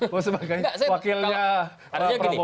mau sebagai wakilnya